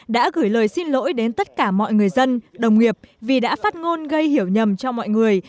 đã gửi lời xin lỗi đến tất cả mọi người dân đồng nghiệp vì đã phát ngôn gây hiểu nhầm cho mọi người